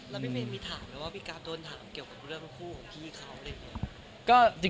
แล้วพี่เมย์มีถามหรือว่าพี่การโดนถามเกี่ยวกับเรื่องเรื่องคู่ของพี่เขาเลย